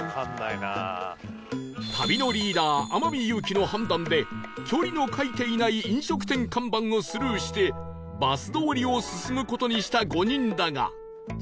旅のリーダー天海祐希の判断で距離の書いていない飲食店看板をスルーしてバス通りを進む事にした５人だが